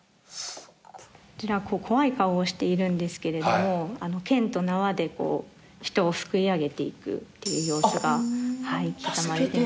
こちら怖い顔をしているんですけれども剣と縄で人をすくい上げていくっていう様子が刻まれています。